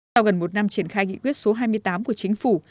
sau gần một năm triển khai nghị quyết số hai mươi tám của chính phủ